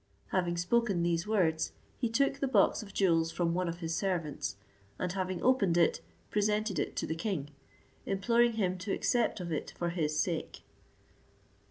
Having spoke these words, he took the box of jewels from one of his servants, and having opened it, presented it to the king, imploring him to accept of it for his sake.